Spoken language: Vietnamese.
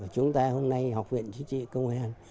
chúng ta hôm nay học viện chính trị công an